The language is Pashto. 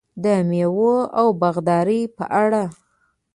د میوو او باغدارۍ په اړه: